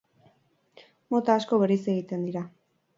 Mota asko bereizi egiten dira.